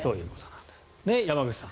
山口さん